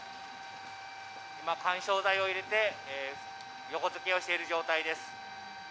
今、緩衝材を入れて横付けをしている状態です。